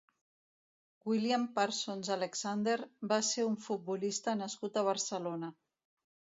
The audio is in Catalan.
William Parsons Alexander va ser un futbolista nascut a Barcelona.